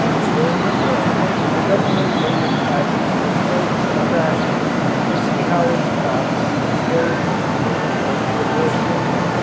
During the war the Government made a test of a Fordson tractor to see how its costs compared with doing the work with horses.